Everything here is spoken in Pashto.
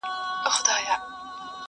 • خامخا یې کر د قناعت ثمر را وړی دی,